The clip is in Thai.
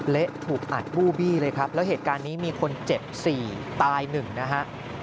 เละถูกอัดบู้บี้เลยครับแล้วเหตุการณ์นี้มีคนเจ็บ๔ตาย๑นะฮะ